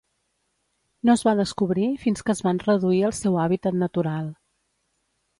No es va descobrir fins que es van reduir el seu hàbitat natural.